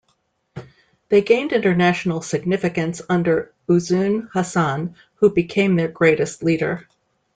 They gained international significance under Uzun Hasan who became their greatest leader.